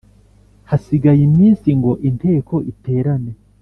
hasigaye iminsi ngo Inteko iterane